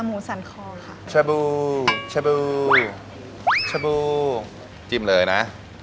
หมูสันคอค่ะชะบูชาบูชาบูจิ้มเลยนะ